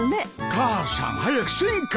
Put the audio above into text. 母さん早くせんか！